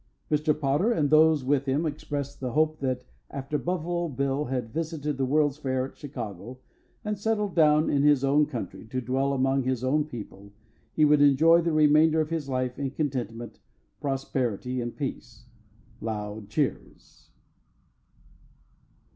Mr. Potter and those with him expressed the hope that after Buffalo Bill had visited the World's Fair at Chicago and settled down in his own country to dwell among his own people, he would enjoy the remainder of his life in contentment, prosperity, and peace. (Loud cheers.)